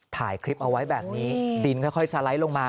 ถ่ายคลิปเอาไว้แบบนี้ดินค่อยสไลด์ลงมา